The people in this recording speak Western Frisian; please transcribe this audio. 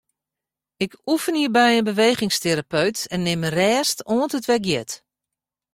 Ik oefenje by in bewegingsterapeut en nim rêst oant it wer giet.